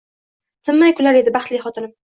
Tinmay kular edi baxtli xotinim…